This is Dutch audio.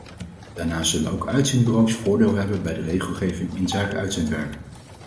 Daarnaast zullen ook uitzendbureaus voordeel hebben bij de regelgeving inzake uitzendwerk.